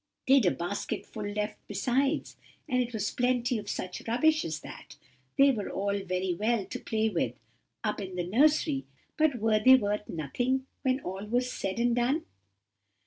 They'd a basket full left besides, and it was plenty of such rubbish as that! They were all very well to play with up in the nursery, but they were worth nothing when all was said and done!